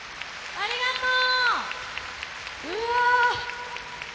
ありがとう！